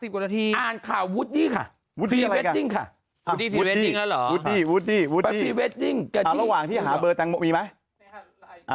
โหโหโหโหโหโห